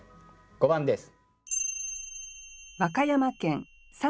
５番です。